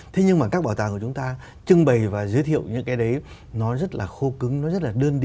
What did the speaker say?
thế nhưng mà các bảo tàng của chúng ta trưng bày và giới thiệu những cái đấy nó rất là khô cứng nó rất là đơn đi